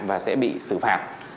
và sẽ bị xử phạt